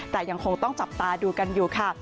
แต่ยังคงต้องจับตาดูกันอยู่ค่ะ